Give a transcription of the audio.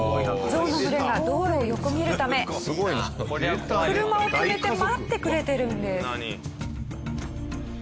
ゾウの群れが道路を横切るため車を止めて待ってくれてるんです。